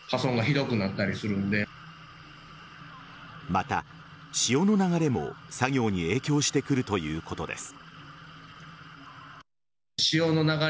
また、潮の流れも作業に影響してくるということです。